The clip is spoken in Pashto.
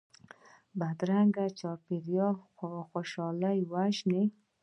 بدرنګه چاپېریال خوشحالي وژني